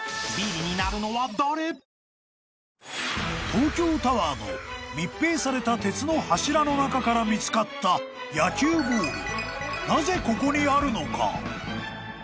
［東京タワーの密閉された鉄の柱の中から見つかった野球ボール］